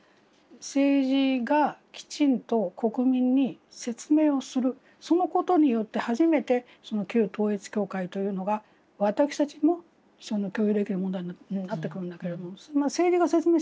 政治がきちんと国民に説明をするそのことによって初めて旧統一教会というのが私たちにも共有できる問題になってくるんだけれども政治が説明をしない。